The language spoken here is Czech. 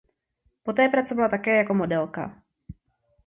Poté pracovala také jako modelka.